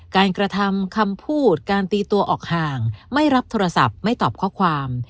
กระทำคำพูดการตีตัวออกห่างไม่รับโทรศัพท์ไม่ตอบข้อความ